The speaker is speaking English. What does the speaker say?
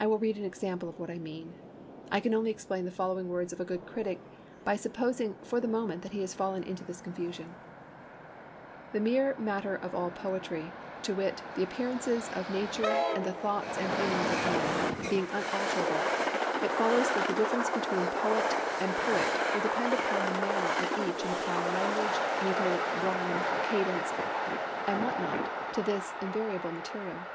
I will read an example of what I mean. I can only explain the following words of a good critic by supposing that for the moment he has fallen into this confusion: 'The mere matter of all poetry—to wit, the appearances of nature and the thoughts and feelings of men—being unalterable, it follows that the difference between poet and poet will depend upon the manner of each in applying language, metre, rhyme, cadence, and what not, to this invariable material.'